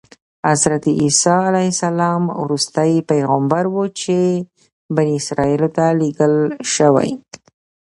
حضرت عیسی علیه السلام وروستی پیغمبر و چې بني اسرایلو ته لېږل شوی.